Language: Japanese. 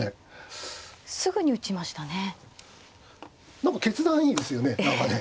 何か決断いいですよね何かね。